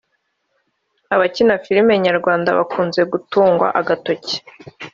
abakina filime nyarwanda bakunze gutungwa agatoki